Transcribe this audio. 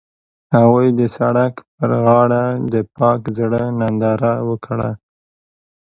هغوی د سړک پر غاړه د پاک زړه ننداره وکړه.